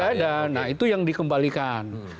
tidak ada nah itu yang dikembalikan